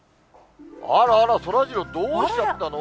あらあら、そらジロー、どうしちゃったの？